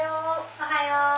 おはよう。